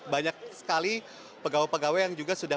banyak sekali pegawai pegawai yang juga sudah